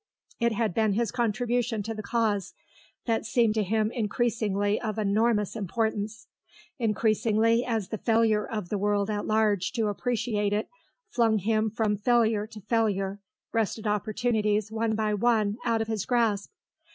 It had been his contribution to the cause that seemed to him increasingly of enormous importance; increasingly, as the failure of the world at large to appreciate it flung him from failure to failure, wrested opportunities one by one out of his grasp.